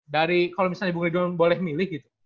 dari kalau misalnya bung rituan boleh milih gitu